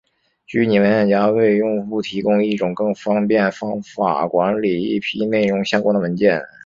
虚拟文件夹为用户提供一种更方便方法管理一批内容相关的文件。